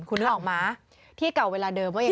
คุณนึกออกมั้ยที่เก่าเวลาเดิมว่า